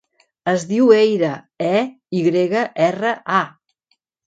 Es diu Eyra: e, i grega, erra, a.